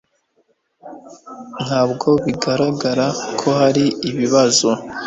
Ntabwo bigaragara ko hari ibibazo